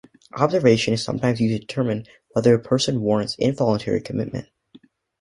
Observation is sometimes used to determine whether a person warrants involuntary commitment.